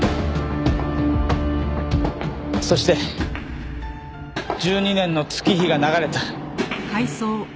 そして１２年の月日が流れた。